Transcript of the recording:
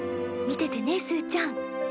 見ててねすーちゃん。